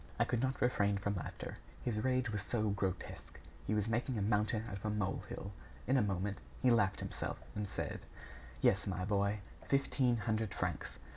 I could not refrain from laughter, his rage was so grotesque. He was making a mountain out of a molehill. In a moment, he laughed himself, and said: "Yes, my boy, fifteen hundred francs.